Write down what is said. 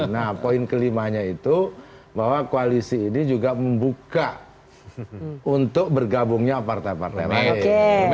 nah poin kelimanya itu bahwa koalisi ini juga membuka untuk bergabungnya partai partai lain